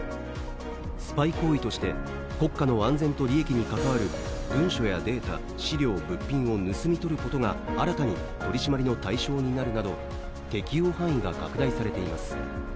スパイ行為として国家の安全と利益に関わる文書やデータ、資料、物品を盗み取ることが新たに取り締まりの対象になるなど適用範囲が拡大されています。